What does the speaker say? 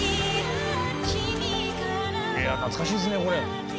いや懐かしいですねこれ。